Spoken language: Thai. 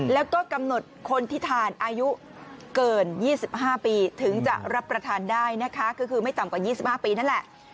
แล้วก็กำหนดคนที่ทานอายุเกิน๒๕ปีถึงจะรับประทานได้นะคะก็คือไม่ต่ำกว่า๒๕ปีนั่นแหละ